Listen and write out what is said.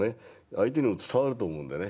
相手にも伝わると思うんだよね。